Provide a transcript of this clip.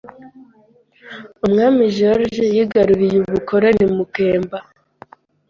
Umwami George yigaruriye ubukoloni mu kemba.